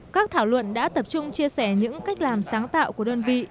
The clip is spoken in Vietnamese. các thảo luận đã tập trung chia sẻ những cách làm sáng tạo của đơn vị